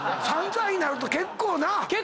３歳になると結構な！